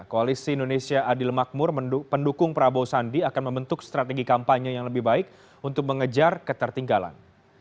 koalisi indonesia adil makmur pendukung prabowo sandi akan membentuk strategi kampanye yang lebih baik untuk mengejar ketertinggalan